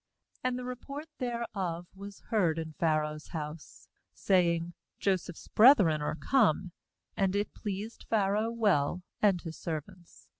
16And the report thereof was heard in Pharaoh's house, saying: 'Joseph's brethren are come'; and it pleased Pharaoh well, and his servants.